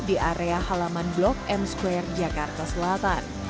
di area halaman blok m square jakarta selatan